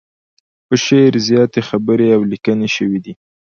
په شعر زياتې خبرې او ليکنې شوي دي.